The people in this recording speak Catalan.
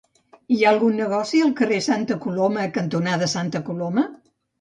Hi ha algun negoci al carrer Santa Coloma cantonada Santa Coloma?